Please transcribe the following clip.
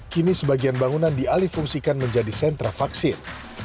kini sebagian bangunan dialih fungsikan menjadi sentra vaksin